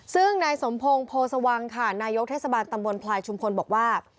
ซึ่งนายสมพงศ์โพสวังค่ะนายกเทศบาลตำบลพลายชุมพลบอกว่า